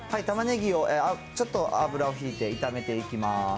玉ねぎをちょっと油をひいて炒めていきます。